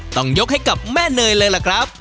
ต้องยกให้กับแม่เนยเลยล่ะครับ